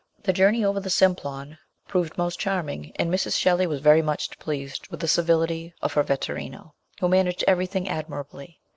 The journey over the Simplon proved most charming, and Mrs. Shelley was very much pleased with the civility of her vetturino, who managed everything admirably.